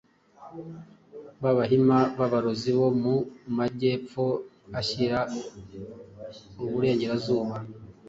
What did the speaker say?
bAbahima b’aborozi bo mu Majyepfo ashyira Uburengerazuba